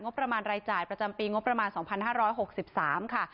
ประมาณรายจ่ายประจำปีงบประมาณ๒๕๖๓ค่ะ